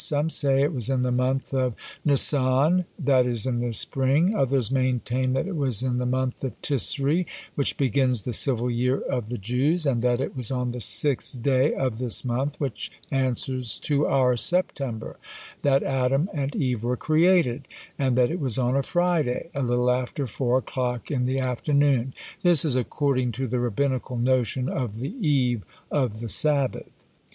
Some say it was in the month of Nisan, that is, in the spring: others maintain that it was in the month of Tisri, which begins the civil year of the Jews, and that it was on the sixth day of this month, which answers to our September, that Adam and Eve were created, and that it was on a Friday, a little after four o'clock in the afternoon!" This is according to the Rabbinical notion of the eve of the Sabbath.